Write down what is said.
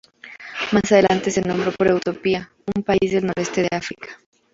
Más adelante se nombró por Etiopía, un país del noreste de África.